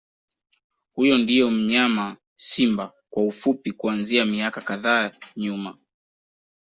Huyo ndio mnyama Simba kwa ufupi kuanzia miaka kadhaa nyuma